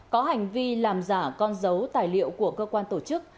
có hành vi làm giả con dấu tài liệu của cơ quan tổ chức